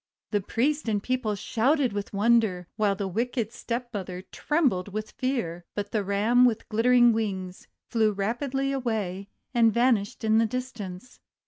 The priest and people shouted with wonder, while the wicked stepmother trembled from fear. But the Ram with glittering wings, flew rapidly away and vanished in the distance.